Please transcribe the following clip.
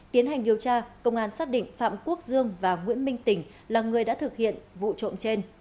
tiến hành điều tra công an xác định phạm quốc dương và nguyễn minh tỉnh là người đã thực hiện vụ trộm trên